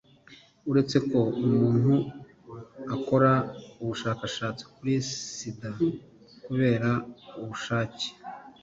uretse ko umuntu akora ubushakashatsi kuri sida kubera ubushake,